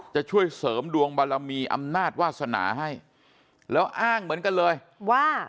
จะช่วยเสริมดวงบารมีอำนาจวาสนาให้แล้วอ้างเหมือนกันเลยว่า